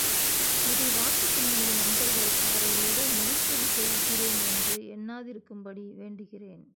இதை வாசிக்கும் எனது நண்பர்கள், அவரை ஏதோ முகஸ்துதி செய்கிறேன் என்று எண்ணாதிருக்கும்படி வேண்டுகிறேன்.